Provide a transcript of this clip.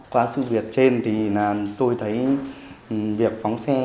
qua sự việc trên thì tôi thấy việc phóng xe